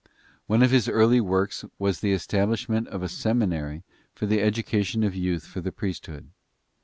One of his early works wras the establishment of a seminary for the education of youth for the priesthood.